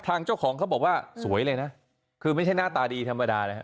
เจ้าของเขาบอกว่าสวยเลยนะคือไม่ใช่หน้าตาดีธรรมดานะฮะ